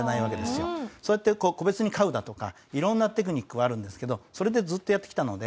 そうやって個別に飼うだとかいろんなテクニックはあるんですけどそれでずっとやってきたので。